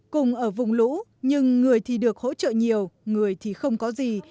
cùng ở vùng lũ nhưng người thì được hỗ trợ nhiều người thì không có gì